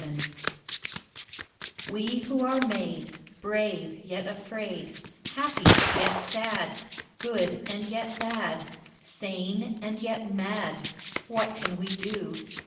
WE We who are made Brave yet afraid, Happy yet sad, Good and yet bad, Sane and yet mad, What can we do?